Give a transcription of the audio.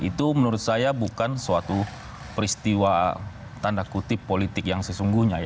itu menurut saya bukan suatu peristiwa tanda kutip politik yang sesungguhnya